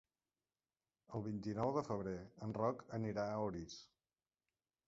El vint-i-nou de febrer en Roc anirà a Orís.